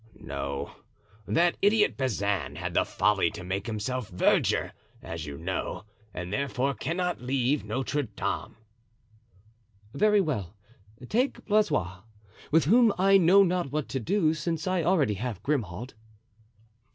"No; that idiot Bazin had the folly to make himself verger, as you know, and therefore cannot leave Notre Dame. "Very well, take Blaisois, with whom I know not what to do, since I already have Grimaud."